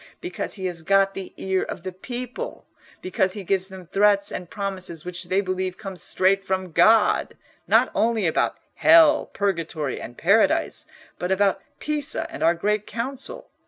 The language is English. Because he has got the ear of the people: because he gives them threats and promises, which they believe come straight from God, not only about hell, purgatory, and paradise, but about Pisa and our Great Council.